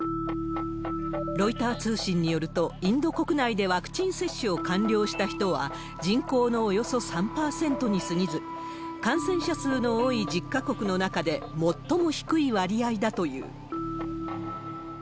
ロイター通信によると、インド国内でワクチン接種を完了した人は、人口のおよそ３％にすぎず、感染者数の多い１０か国の中で、最も低い割合だという。